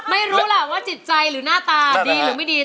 ไม่รู้ล่ะว่าจิตใจหรือหน้าตาดีหรือไม่ดี